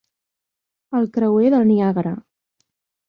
El creuer del Niagara.